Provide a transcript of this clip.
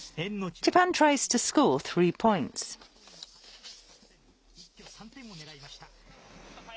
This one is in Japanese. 一挙３点を狙いました。